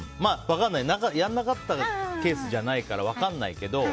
やらなかったケースじゃないから分からないけど。